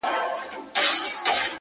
پرمختګ د وېرې تر پولې هاخوا وي!